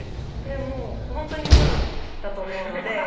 でも本当にプロだと思うので。